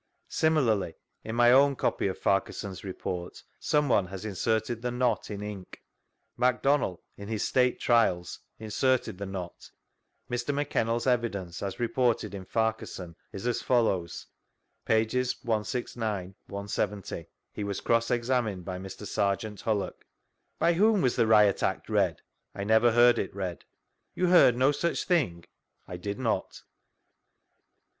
Similarly, in my own copy of Farquharson's Report, someone has inserted the " not " in inlc McDonndl, in his " State Trials," inserted the " not." Mr. McKennell's evidence, as reported in Far qttharson, is as follows (pp. 169, 170; he was cross examined by Mr. Serjeant Hullock): — By whom was the Riot Act read? — I never heard it read. You heard no such thing? —I did not.